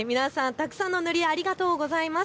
たくさんの塗り絵ありがとうございます。